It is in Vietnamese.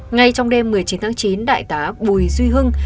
ngay trong đêm một mươi chín tháng chín đại tá bùi duy hưng